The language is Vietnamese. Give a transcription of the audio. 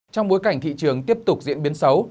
trong bối cảnh thị trường tiếp tục diễn biến xấu